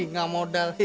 nggak modal ya